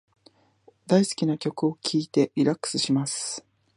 大好きな曲を聞いてリラックスします。